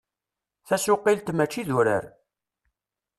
Tasuqilt mačči d urar.